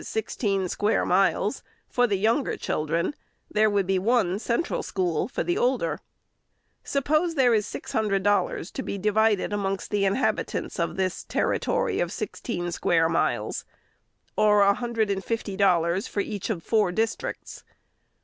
sixteen square miles, for the younger children, there would be one central school for the older. Suppose there is $600 to be divided amongst the inhabitants of this territory of sixteen square miles, or $150 for each of the four districts.